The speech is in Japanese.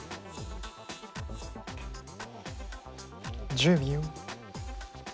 １０秒。